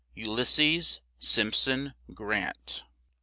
U LYS SES SIMP SON GRANT.